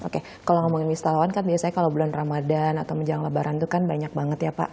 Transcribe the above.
oke kalau ngomongin wisatawan kan biasanya kalau bulan ramadan atau menjelang lebaran itu kan banyak banget ya pak